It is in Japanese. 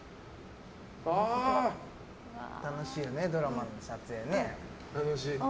楽しいよね、ドラマの撮影ね。